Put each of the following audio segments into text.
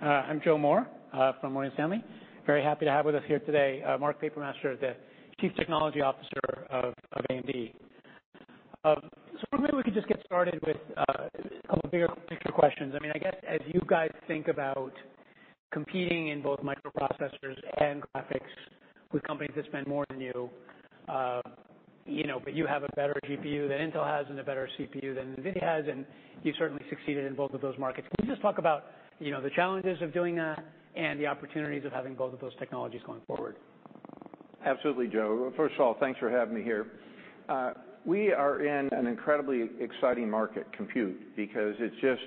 I'm Joe Moore, from Morgan Stanley. Very happy to have with us here today, Mark Papermaster, the Chief Technology Officer of AMD. Maybe we could just get started with a couple bigger picture questions. I mean, I guess as you guys think about competing in both microprocessors and graphics with companies that spend more than you know, but you have a better GPU than Intel has and a better CPU than NVIDIA has, and you've certainly succeeded in both of those markets. Can you just talk about, you know, the challenges of doing that and the opportunities of having both of those technologies going forward? Absolutely, Joe. First of all, thanks for having me here. We are in an incredibly exciting market, compute, because it's just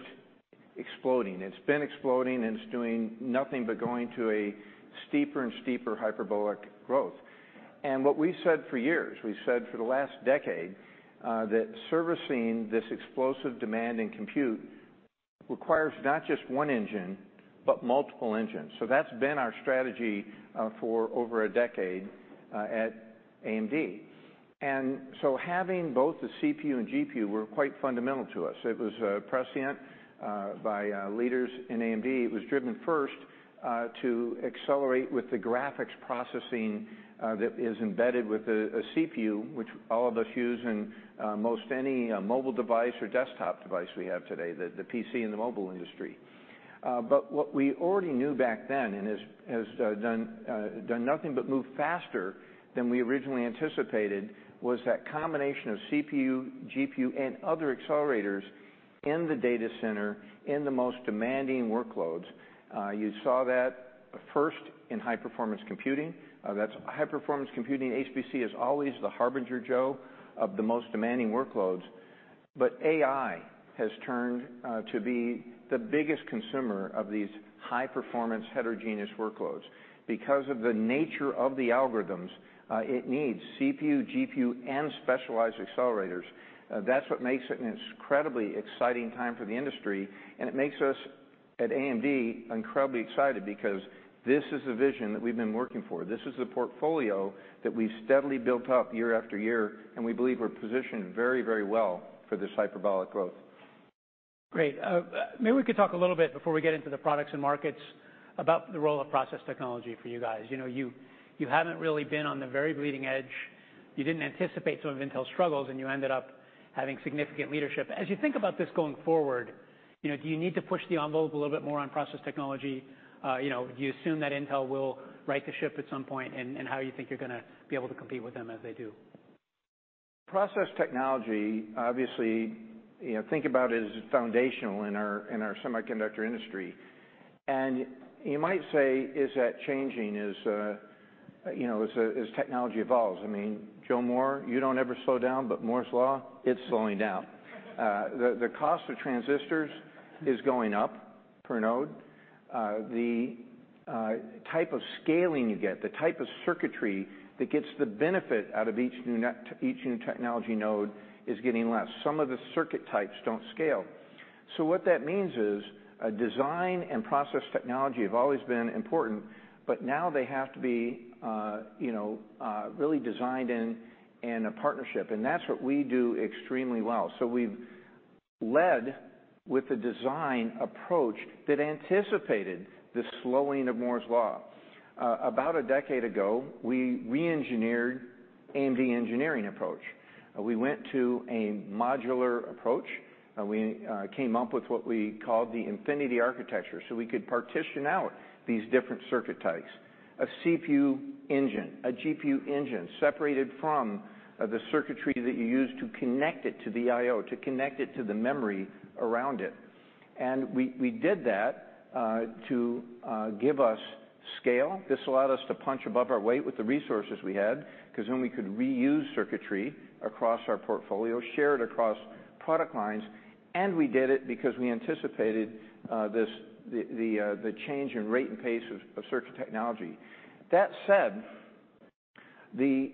exploding. It's been exploding, and it's doing nothing but going to a steeper and steeper hyperbolic growth. What we said for years, we said for the last decade, that servicing this explosive demand in compute requires not just one engine, but multiple engines. That's been our strategy for over a decade at AMD. Having both the CPU and GPU were quite fundamental to us. It was prescient by leaders in AMD. It was driven first to accelerate with the graphics processing that is embedded with a CPU, which all of us use in most any mobile device or desktop device we have today, the PC and the mobile industry. What we already knew back then, and has done nothing but move faster than we originally anticipated, was that combination of CPU, GPU, and other accelerators in the data center in the most demanding workloads. You saw that first in high-performance computing. That's high-performance computing, HPC is always the harbinger, Joe, of the most demanding workloads. AI has turned to be the biggest consumer of these high-performance heterogeneous workloads. Because of the nature of the algorithms, it needs CPU, GPU, and specialized accelerators. That's what makes it an incredibly exciting time for the industry, and it makes us at AMD incredibly excited because this is the vision that we've been working for. This is the portfolio that we've steadily built up year after year, and we believe we're positioned very, very well for this hyperbolic growth. Great. Maybe we could talk a little bit before we get into the products and markets about the role of process technology for you guys. You know, you haven't really been on the very bleeding edge. You didn't anticipate some of Intel's struggles, and you ended up having significant leadership. As you think about this going forward, you know, do you need to push the envelope a little bit more on process technology? You know, do you assume that Intel will right the ship at some point, and how you think you're gonna be able to compete with them as they do? Process technology, obviously, you know, think about it as foundational in our, in our semiconductor industry. And you might say, is that changing as, you know, as technology evolves? I mean, Joe Moore, you don't ever slow down, but Moore's Law, it's slowing down. The, the cost of transistors is going up per node. The, the type of scaling you get, the type of circuitry that gets the benefit out of each new technology node is getting less. Some of the circuit types don't scale. So what that means is design and process technology have always been important, but now they have to be, you know, really designed in a partnership. And that's what we do extremely well. So we've led with a design approach that anticipated the slowing of Moore's Law. About a decade ago, we reengineered AMD engineering approach. We went to a modular approach. We came up with what we called the Infinity Architecture, so we could partition out these different circuit types. A CPU engine, a GPU engine, separated from the circuitry that you use to connect it to the IO, to connect it to the memory around it. We did that to give us scale. This allowed us to punch above our weight with the resources we had, 'cause then we could reuse circuitry across our portfolio, share it across product lines, and we did it because we anticipated the change in rate and pace of circuit technology. That said, the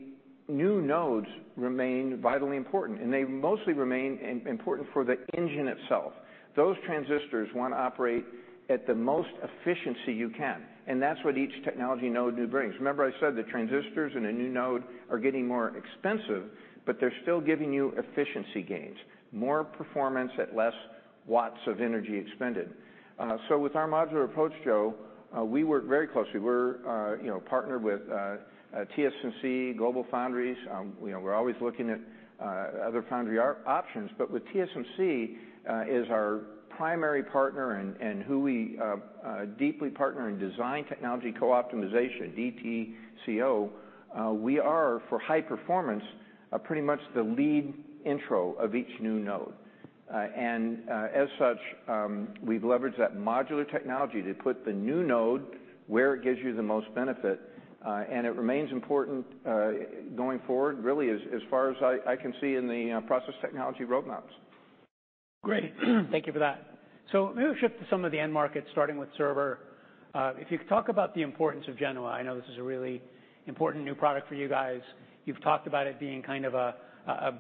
new nodes remain vitally important, and they mostly remain important for the engine itself. Those transistors want to operate at the most efficiency you can, and that's what each technology node new brings. Remember I said the transistors in a new node are getting more expensive, but they're still giving you efficiency gains, more performance at less watts of energy expended. With our modular approach, Joe, we work very closely. We're, you know, partnered with TSMC, GlobalFoundries. You know, we're always looking at other foundry options. With TSMC is our primary partner and who we deeply partner in design technology co-optimization, DTCO. We are, for high performance, pretty much the lead intro of each new node. As such, we've leveraged that modular technology to put the new node where it gives you the most benefit. It remains important, going forward, really, as far as I can see in the process technology roadmaps. Great. Thank you for that. Maybe we'll shift to some of the end markets, starting with server. If you could talk about the importance of Genoa. I know this is a really important new product for you guys. You've talked about it being kind of a, a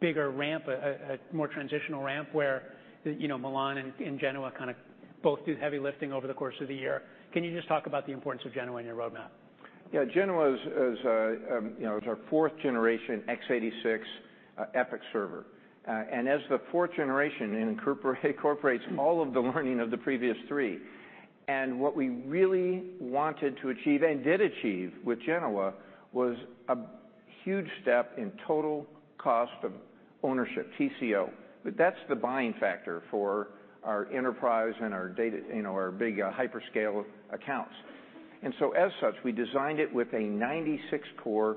bigger ramp, a, a more transitional ramp where, you know, Milan and Genoa kind of both do the heavy lifting over the course of the year. Can you just talk about the importance of Genoa in your roadmap? Genoa is, you know, it's our fourth generation X86 EPYC server. As the fourth generation, it incorporates all of the learning of the previous three. What we really wanted to achieve and did achieve with Genoa was a huge step in total cost of ownership, TCO. That's the buying factor for our enterprise and our data, you know, our big, hyperscale accounts. As such, we designed it with a 96-core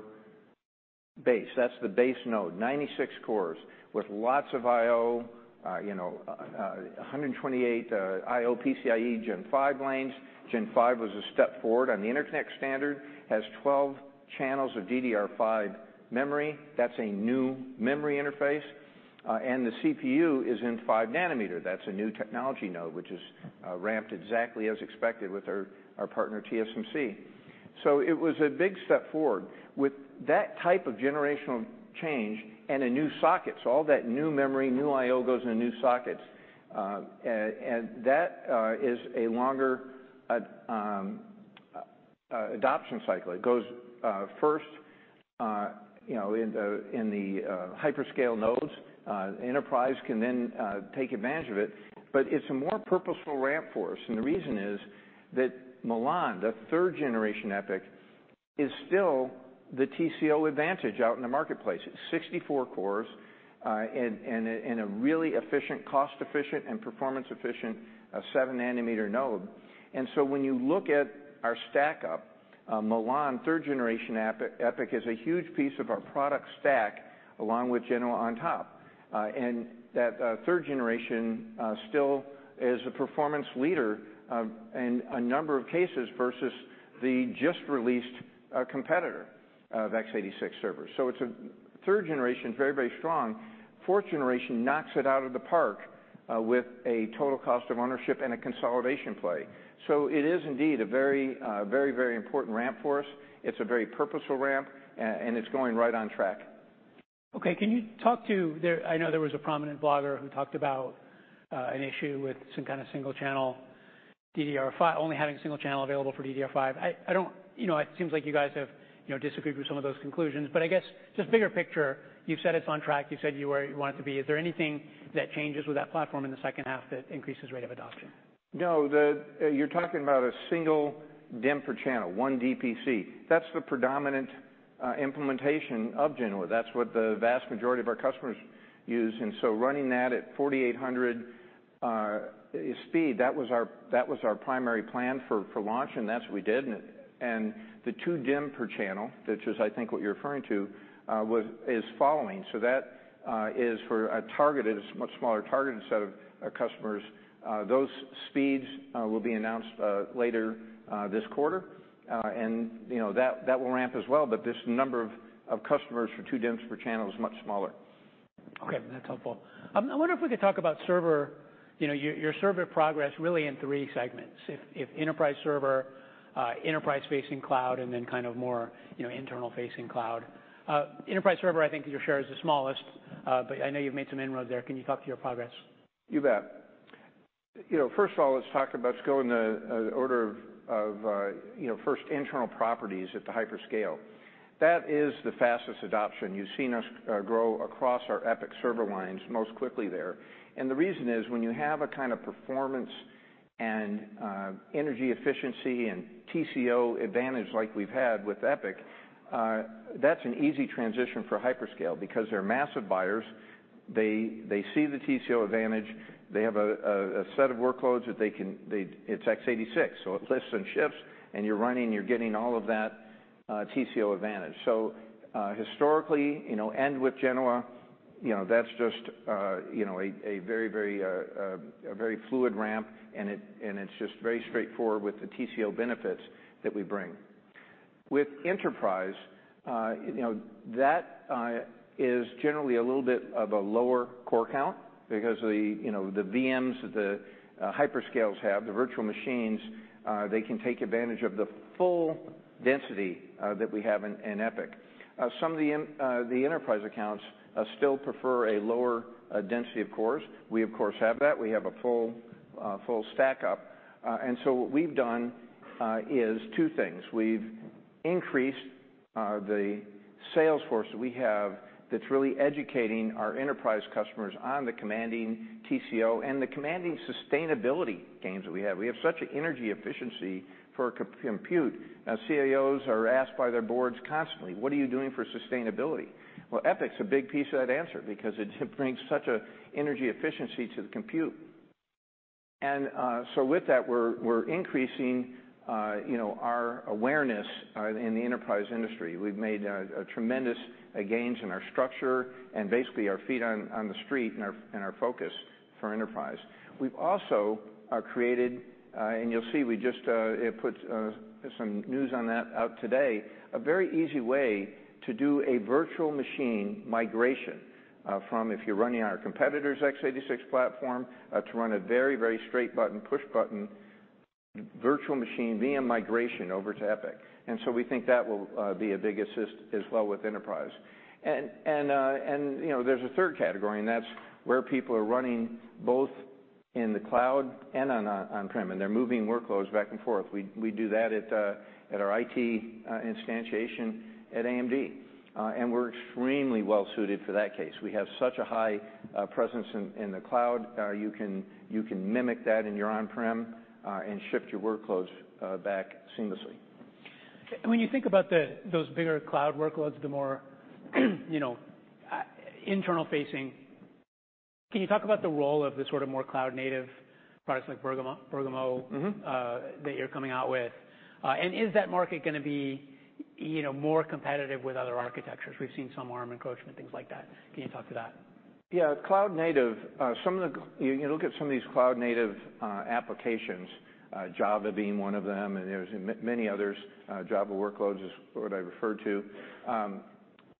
base. That's the base node, 96 cores with lots of IO, 128 IO PCIe Gen5 lanes. Gen5 was a step forward on the interconnect standard. Has 12 channels of DDR5 memory. That's a new memory interface. The CPU is in 5 nm. That's a new technology node, which has ramped exactly as expected with our partner TSMC. It was a big step forward. With that type of generational change and a new socket, so all that new memory, new IO goes in a new socket. And that is a longer adoption cycle. It goes first, you know, in the hyperscale nodes. Enterprise can then take advantage of it, but it's a more purposeful ramp for us. The reason is that Milan, the third generation EPYC, is still the TCO advantage out in the marketplace. It's 64 cores in a really efficient, cost-efficient, and performance-efficient 7 nm node. When you look at our stack up, Milan third generation EPYC is a huge piece of our product stack along with Genoa on top. That third generation still is a performance leader in a number of cases versus the just released competitor of x86 servers. It's third generation, very, very strong. Fourth generation knocks it out of the park with a total cost of ownership and a consolidation play. It is indeed a very, very important ramp for us. It's a very purposeful ramp, and it's going right on track. Okay. Can you talk to. I know there was a prominent blogger who talked about an issue with some kind of single channel DDR5, only having a single channel available for DDR5. I don't, you know, it seems like you guys have, you know, disagreed with some of those conclusions, but I guess just bigger picture, you've said it's on track. You've said you're where you want it to be. Is there anything that changes with that platform in the second half that increases rate of adoption? No. You're talking about a single DIMM per channel, one DPC. That's the predominant implementation of Genoa. That's what the vast majority of our customers use. Running that at 4,800 speed, that was our primary plan for launch, and that's what we did. The two DIMM per channel, which is I think what you're referring to, is following. That is for a targeted, it's a much smaller targeted set of customers. Those speeds will be announced later this quarter. And you know, that will ramp as well, but this number of customers for two DIMMs per channel is much smaller. Okay, that's helpful. I wonder if we could talk about server, you know, your server progress really in three segments. If enterprise server, enterprise-facing cloud, and then kind of more, you know, internal-facing cloud. Enterprise server, I think your share is the smallest, but I know you've made some inroads there. Can you talk to your progress? You bet. You know, first of all, let's go in the order of, you know, first internal properties at the hyperscale. That is the fastest adoption. You've seen us grow across our EPYC server lines most quickly there. The reason is when you have a kind of performance and energy efficiency and TCO advantage like we've had with EPYC, that's an easy transition for hyperscale because they're massive buyers. They see the TCO advantage. They have a set of workloads. It's X86, so it lifts and shifts, and you're running, you're getting all of that TCO advantage. Historically, you know, and with Genoa, you know, that's just, you know, a very, very, a very fluid ramp, and it, and it's just very straightforward with the TCO benefits that we bring. With enterprise, you know, that is generally a little bit of a lower core count because the, you know, the VMs that the hyperscales have, the virtual machines, they can take advantage of the full density that we have in EPYC. Some of the enterprise accounts still prefer a lower density of cores. We of course have that. We have a full stack up. What we've done is two things. We've increased the sales force that we have that's really educating our enterprise customers on the commanding TCO and the commanding sustainability gains that we have. We have such a energy efficiency for a compute. CIOs are asked by their boards constantly, "What are you doing for sustainability?" Well, EPYC's a big piece of that answer because it brings such a energy efficiency to the compute. With that, we're increasing, you know, our awareness in the enterprise industry. We've made a tremendous gains in our structure and basically our feet on the street and our focus for enterprise. We've also created, and you'll see, we just put some news on that out today, a very easy way to do a virtual machine migration from if you're running our competitor's x86 platform, to run a very straight push button virtual machine VM migration over to EPYC. We think that will be a big assist as well with enterprise. You know, there's a third category, and that's where people are running both in the cloud and on-prem, and they're moving workloads back and forth. We do that at our IT instantiation at AMD, and we're extremely well suited for that case. We have such a high presence in the cloud. You can mimic that in your on-prem, and shift your workloads, back seamlessly. When you think about those bigger cloud workloads, the more, you know, internal facing, can you talk about the role of the sort of more cloud native products like Bergamo? Mm-hmm. that you're coming out with? Is that market gonna be, you know, more competitive with other architectures? We've seen some Arm encroachment, things like that. Can you talk to that? Yeah. Cloud native, you look at some of these cloud native applications, Java being one of them, and there's many others, Java workloads is what I refer to.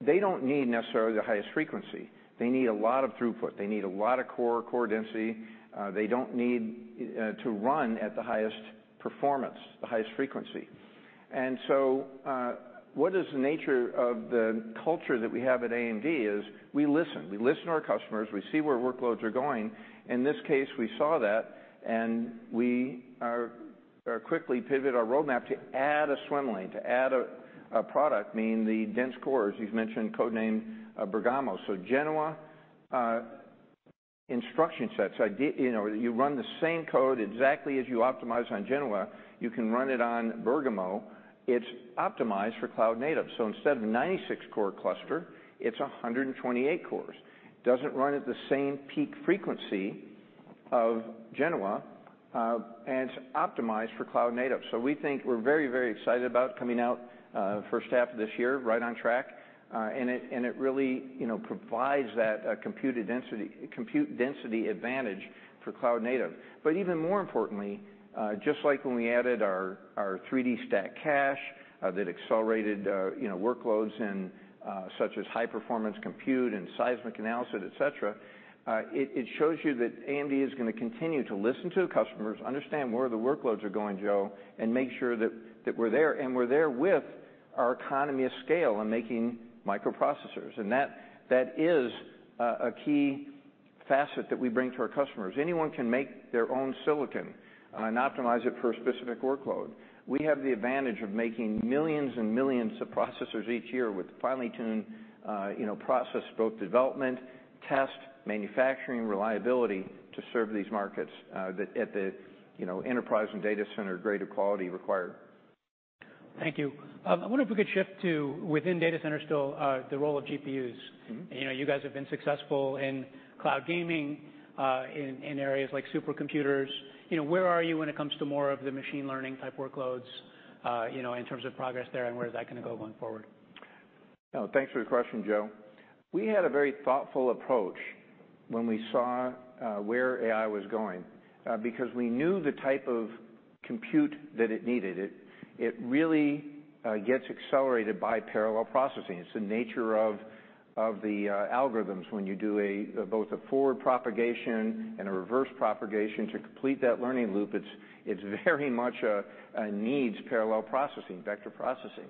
They don't need necessarily the highest frequency. They need a lot of throughput. They need a lot of core density. They don't need to run at the highest performance, the highest frequency. What is the nature of the culture that we have at AMD is we listen. We listen to our customers. We see where workloads are going. In this case, we saw that, and we are quickly pivot our roadmap to add a swim lane, to add a product, meaning the dense cores you've mentioned, code-named Bergamo. Genoa, instruction sets, ID, you know, you run the same code exactly as you optimize on Genoa. You can run it on Bergamo. It's optimized for cloud native. Instead of a 96-core cluster, it's 128 cores. Doesn't run at the same peak frequency of Genoa, and it's optimized for cloud native. We think we're very, very excited about coming out, first half of this year, right on track. It really, you know, provides that compute density advantage for cloud native. Even more importantly, just like when we added our 3D stack cache, that accelerated, you know, workloads and such as high performance compute and seismic analysis, et cetera, it shows you that AMD is gonna continue to listen to the customers, understand where the workloads are going, Joe, and make sure that we're there, and we're there with our economy of scale in making microprocessors. That is a key facet that we bring to our customers. Anyone can make their own silicon and optimize it for a specific workload. We have the advantage of making millions and millions of processors each year with finely tuned, you know, process, both development, test, manufacturing, reliability to serve these markets that at the, you know, enterprise and data center greater quality required. Thank you. I wonder if we could shift to within data center still, the role of GPUs. Mm-hmm. You know, you guys have been successful in cloud gaming, in areas like supercomputers. You know, where are you when it comes to more of the machine learning type workloads, you know, in terms of progress there, and where is that gonna go going forward? Oh, thanks for the question, Joe. We had a very thoughtful approach when we saw where AI was going, because we knew the type of compute that it needed. It really gets accelerated by parallel processing. It's the nature of the algorithms when you do both a forward propagation and a reverse propagation to complete that learning loop. It's very much a needs parallel processing, vector processing.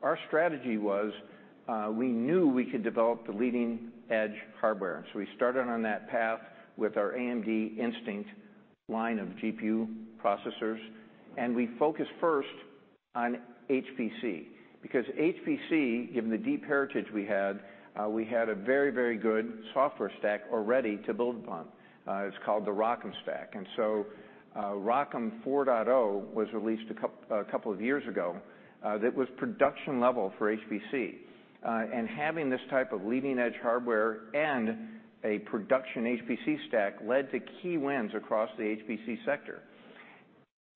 Our strategy was we knew we could develop the leading-edge hardware. We started on that path with our AMD Instinct line of GPU processors, and we focused first on HPC. HPC, given the deep heritage we had, we had a very, very good software stack already to build upon. It's called the ROCm stack. ROCm 4.0 was released a couple of years ago, that was production level for HPC. Having this type of leading-edge hardware and a production HPC stack led to key wins across the HPC sector.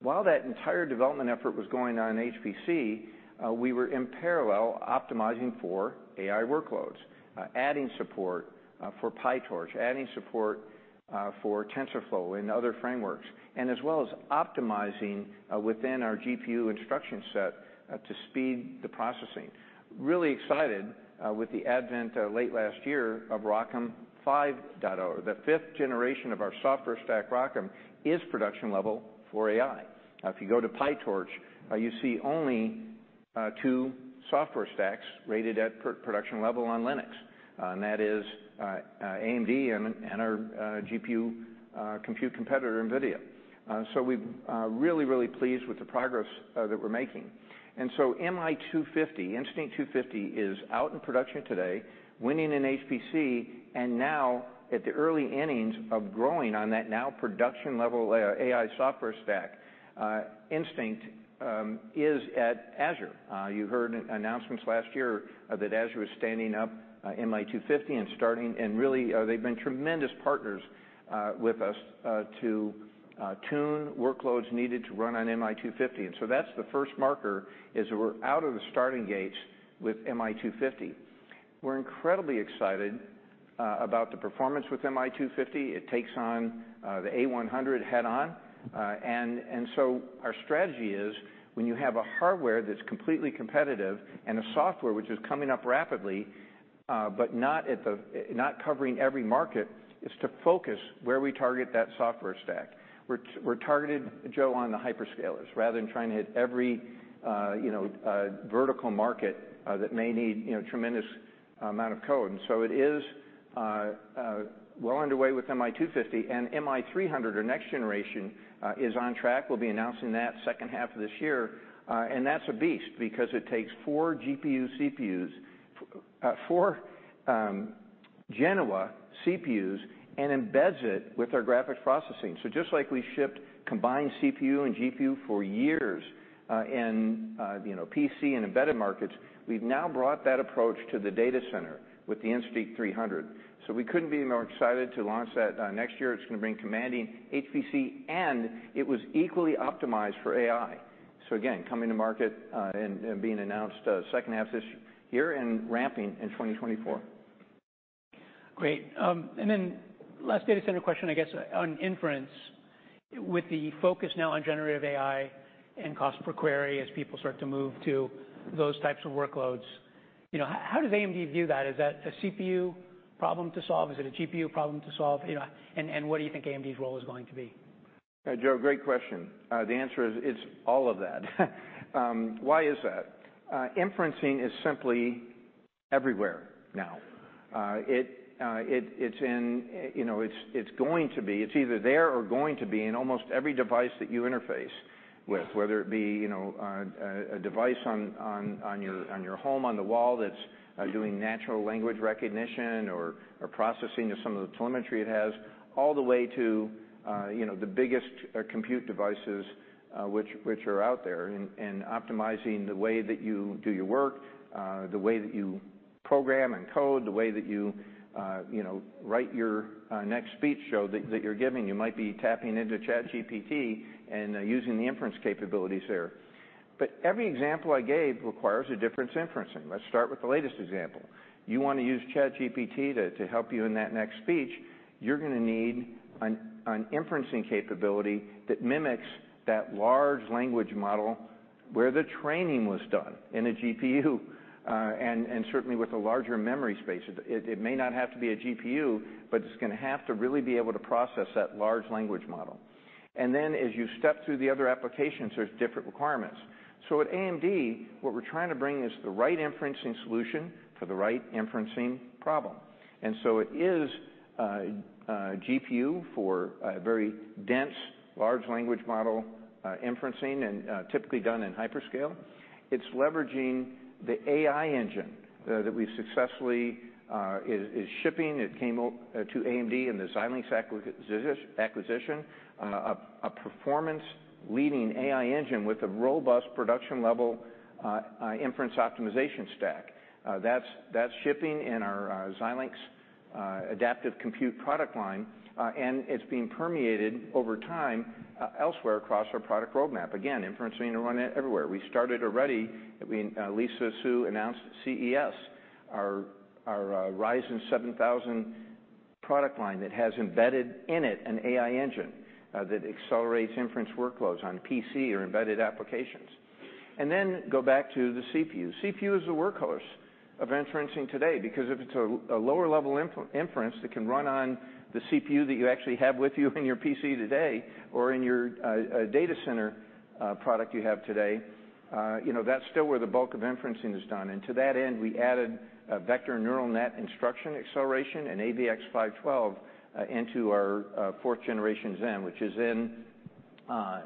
While that entire development effort was going on in HPC, we were in parallel optimizing for AI workloads, adding support for PyTorch, adding support for TensorFlow and other frameworks, and as well as optimizing within our GPU instruction set to speed the processing. Really excited with the advent late last year of ROCm 5.0. The fifth generation of our software stack, ROCm, is production level for AI. Now if you go to PyTorch, you see only 2 software stacks rated at production level on Linux. That is AMD and our GPU compute competitor, NVIDIA. We're really pleased with the progress that we're making. MI250, Instinct 250, is out in production today, winning in HPC, and now at the early innings of growing on that now production level AI software stack. Instinct is at Azure. You heard in announcements last year that Azure was standing up MI250 and starting and really they've been tremendous partners with us to tune workloads needed to run on MI250. That's the first marker is we're out of the starting gates with MI250. We're incredibly excited about the performance with MI250. It takes on the A100 head on. Our strategy is when you have a hardware that's completely competitive and a software which is coming up rapidly, but not covering every market, is to focus where we target that software stack. We're targeted, Joe, on the hyperscalers rather than trying to hit every, you know, vertical market that may need, you know, a tremendous amount of code. It is well underway with MI250 and MI300. Our next generation is on track. We'll be announcing that second half of this year. That's a beast because it takes four GPU CPUs, uh, four Genoa CPUs and embeds it with our graphics processing. Just like we shipped combined CPU and GPU for years, in, you know, PC and embedded markets, we've now brought that approach to the data center with the Instinct 300. We couldn't be more excited to launch that next year. It's gonna bring commanding HPC, and it was equally optimized for AI. Again, coming to market, and being announced second half this year and ramping in 2024. Great. Last data center question, I guess, on inference. With the focus now on generative AI and cost per query as people start to move to those types of workloads, you know, how does AMD view that? Is that a CPU problem to solve? Is it a GPU problem to solve? You know, and what do you think AMD's role is going to be? Joe, great question. The answer is, it's all of that. Why is that? Inferencing is simply everywhere now. It's in, you know, it's going to be. It's either there or going to be in almost every device that you interface with, whether it be, you know, a device on your home on the wall that's doing natural language recognition or processing of some of the telemetry it has, all the way to, you know, the biggest compute devices, which are out there and optimizing the way that you do your work, the way that you program and code, the way that you know, write your next speech, Joe, that you're giving. You might be tapping into ChatGPT and using the inference capabilities there. Every example I gave requires a different inferencing. Let's start with the latest example. You wanna use ChatGPT to help you in that next speech, you're gonna need an inferencing capability that mimics that large language model where the training was done in a GPU and certainly with a larger memory space. It may not have to be a GPU, but it's gonna have to really be able to process that large language model. As you step through the other applications, there's different requirements. At AMD, what we're trying to bring is the right inferencing solution for the right inferencing problem. It is a GPU for a very dense large language model inferencing and typically done in hyperscale. It's leveraging the AI Engine that we've successfully is shipping. It came to AMD in the Xilinx acquisition. A performance leading AI Engine with a robust production level inference optimization stack. That's shipping in our Xilinx adaptive compute product line and it's being permeated over time elsewhere across our product roadmap. Again, inferencing to run everywhere. We started already. We Lisa Su announced at CES our Ryzen 7000 product line that has embedded in it an AI Engine that accelerates inference workloads on PC or embedded applications. Go back to the CPU. CPU is the workhorse of inferencing today because if it's a lower level inference that can run on the CPU that you actually have with you in your PC today or in your data center product you have today, you know, that's still where the bulk of inferencing is done. To that end, we added a vector neural net instruction acceleration and AVX-512 into our fourth generation Zen,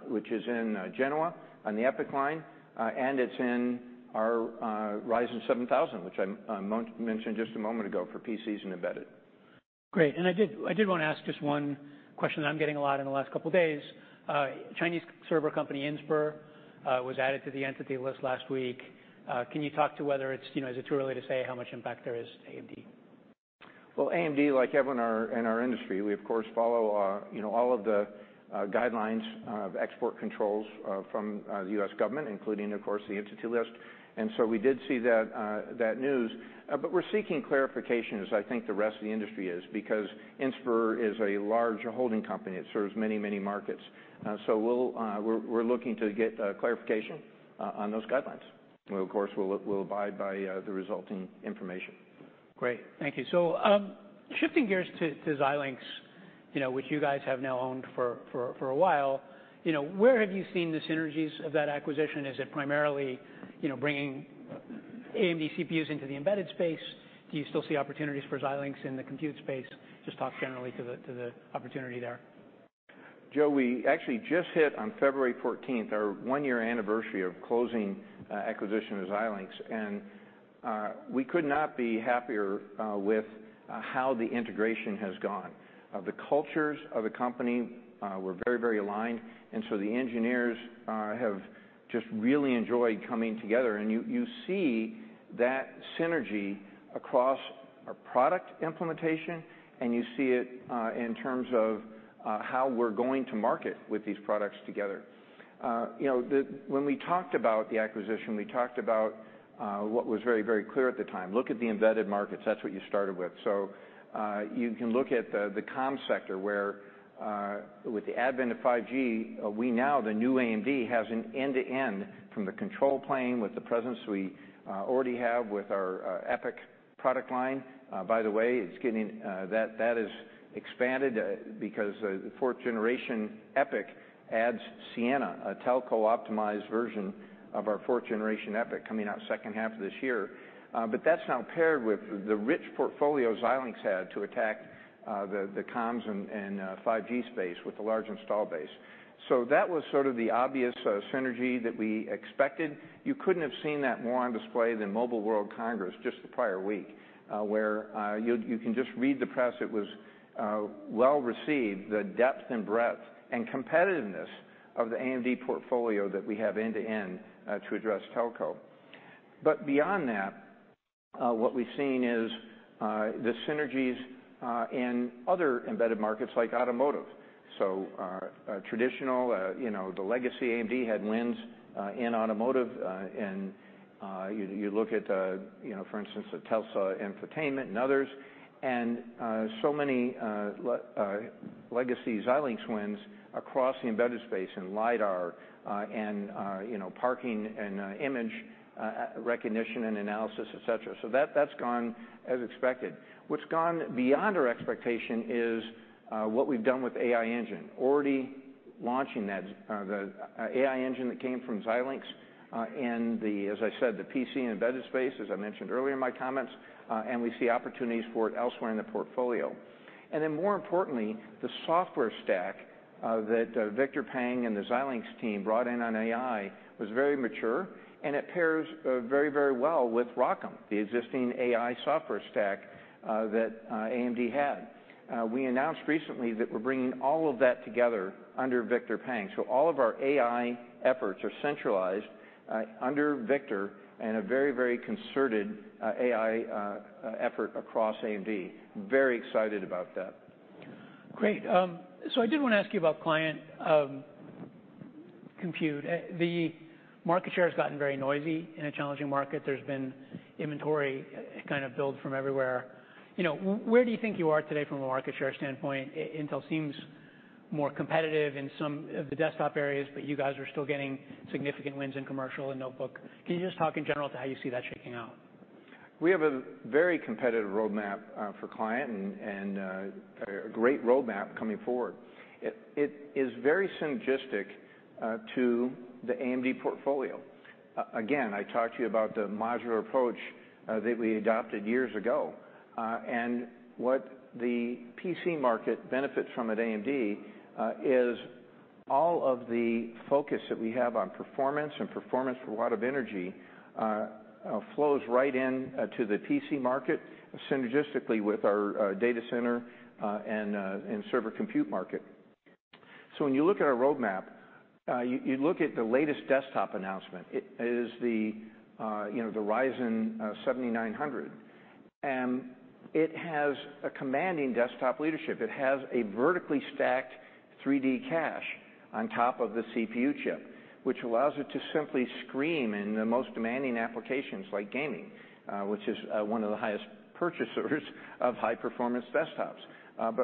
which is in Genoa on the EPYC line, and it's in our Ryzen 7000, which I mentioned just a moment ago for PCs and embedded. Great. I did wanna ask just one question that I'm getting a lot in the last couple days. Chinese server company Inspur was added to the Entity List last week. Can you talk to whether it's, you know, is it too early to say how much impact there is to AMD? Well, AMD, like everyone in our industry, we of course follow, you know, all of the guidelines of export controls from the U.S. government, including of course the Entity List. We did see that news, but we're seeking clarification, as I think the rest of the industry is, because Inspur is a large holding company. It serves many markets. We're looking to get clarification on those guidelines. Of course, we'll abide by the resulting information. Great. Thank you. Shifting gears to Xilinx, you know, which you guys have now owned for a while. You know, where have you seen the synergies of that acquisition? Is it primarily, you know, bringing AMD CPUs into the embedded space? Do you still see opportunities for Xilinx in the compute space? Just talk generally to the opportunity there. Joe, we actually just hit on February 14th, our one-year anniversary of closing acquisition of Xilinx, and we could not be happier with how the integration has gone. The cultures of the company were very, very aligned. The engineers have just really enjoyed coming together. You, you see that synergy across our product implementation, and you see it in terms of how we're going to market with these products together. You know, when we talked about the acquisition, we talked about what was very, very clear at the time. Look at the embedded markets, that's what you started with. You can look at the comms sector, where with the advent of 5G, we now, the new AMD, has an end-to-end from the control plane with the presence we already have with our EPYC product line. By the way, that is expanded because the fourth generation EPYC adds Siena, a telco-optimized version of our fourth generation EPYC coming out second half of this year. That's now paired with the rich portfolio Xilinx had to attack the comms and 5G space with a large install base. That was sort of the obvious synergy that we expected. You couldn't have seen that more on display than Mobile World Congress just the prior week, where you can just read the press. It was well-received, the depth and breadth and competitiveness of the AMD portfolio that we have end-to-end to address telco. Beyond that, what we've seen is the synergies in other embedded markets like automotive. A traditional, you know, the legacy AMD had wins in automotive. You look at, you know, for instance, the Tesla entertainment and others. Many legacy Xilinx wins across the embedded space in LIDAR, and, you know, parking and image recognition and analysis, et cetera. That, that's gone as expected. What's gone beyond our expectation is what we've done with AI Engine. Already launching that, the AI Engine that came from Xilinx, and the, as I said, the PC and embedded space, as I mentioned earlier in my comments, and we see opportunities for it elsewhere in the portfolio. More importantly, the software stack that Victor Peng and the Xilinx team brought in on AI was very mature, and it pairs very, very well with ROCm, the existing AI software stack that AMD had. We announced recently that we're bringing all of that together under Victor Peng. All of our AI efforts are centralized under Victor in a very, very concerted AI effort across AMD. Very excited about that. Great. I did wanna ask you about client compute. The market share has gotten very noisy in a challenging market. There's been inventory kind of build from everywhere. You know, where do you think you are today from a market share standpoint? Intel seems more competitive in some of the desktop areas, but you guys are still getting significant wins in commercial and notebook. Can you just talk in general to how you see that shaking out? We have a very competitive roadmap, uh, for client and, and, uh, a great roadmap coming forward. It, it is very synergistic, uh, to the AMD portfolio. Again, I talked to you about the modular approach, uh, that we adopted years ago. Uh, and what the PC market benefits from at AMD, uh, is all of the focus that we have on performance and performance for watt of energy, uh, uh, flows right in, uh, to the PC market synergistically with our, uh, data center, uh, and, uh, and server compute market. So when you look at our roadmap, uh, you, you look at the latest desktop announcement, it is the, uh, you know, the Ryzen, uh, 7900, and it has a commanding desktop leadership. It has a vertically stacked 3D cache on top of the CPU chip, which allows it to simply scream in the most demanding applications like gaming, which is one of the highest purchasers of high performance desktops.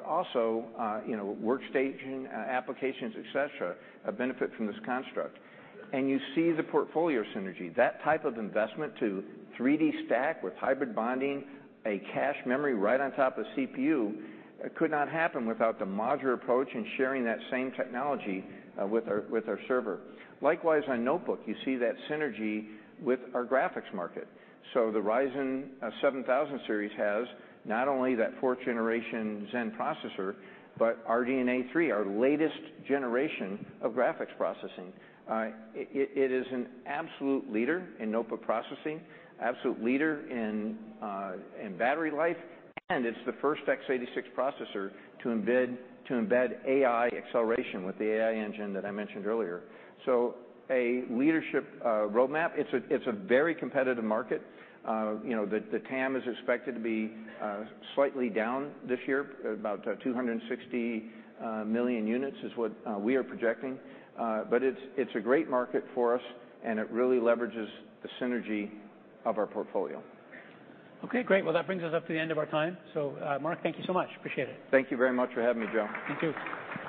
Also, you know, workstation applications, et cetera, benefit from this construct. You see the portfolio synergy. That type of investment to 3D stack with hybrid bonding, a cache memory right on top of CPU, could not happen without the modular approach and sharing that same technology with our, with our server. Likewise, on notebook, you see that synergy with our graphics market. The Ryzen 7000 Series has not only that fourth generation Zen processor, but RDNA 3, our latest generation of graphics processing. It is an absolute leader in notebook processing, absolute leader in battery life, and it's the first x86 processor to embed AI acceleration with the AI Engine that I mentioned earlier. A leadership roadmap. It's a very competitive market. You know, the TAM is expected to be slightly down this year, about 260 million units is what we are projecting. It's a great market for us, and it really leverages the synergy of our portfolio. Okay, great. Well, that brings us up to the end of our time. Mark, thank you so much. Appreciate it. Thank you very much for having me, Joe. Thank you.